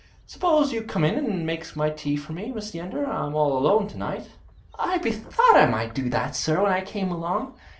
'Suppose you come in and make my tea for me, Mrs. Yeander. I'm all alone to night.' 'I bethought I might do that, sir, when I came along.